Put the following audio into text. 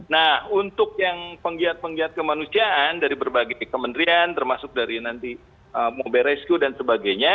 nah untuk yang penggiat penggiat kemanusiaan dari berbagai kementerian termasuk dari nanti mobil rescue dan sebagainya